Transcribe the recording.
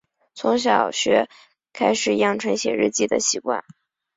从小学开始养成写日记的习惯